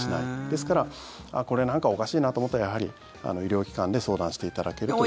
ですから、これ、なんかおかしいなと思ったらやはり医療機関で相談していただけると。